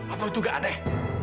apa itu gak aneh